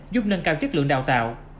giúp nâng cao chất lượng đào tạo